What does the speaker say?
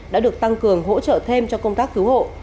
đã được tăng cường hỗ trợ thêm cho công tác cứu hộ